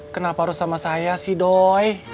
kenapa harus sama saya sih doy